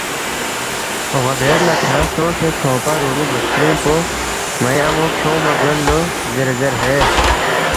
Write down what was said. اون٘ا بیر لہ کھیانگ سونگسے ژھونگپا رُومی بُوسترِنگ پو ن٘ئی ان٘و کھیونگما گوید لو زیرے زیر ہے